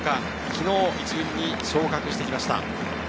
昨日１軍に昇格してきました。